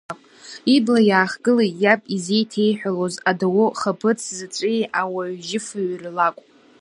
Ибла иаахгылеит иаб изеиҭеиҳәалоз адау хаԥыцзаҵәи ауаҩжьыфаҩи рлакә.